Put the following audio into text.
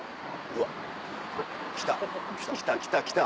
うわ来た来た来た来た。